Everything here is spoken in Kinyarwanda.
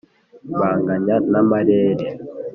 . Banganya n’amarere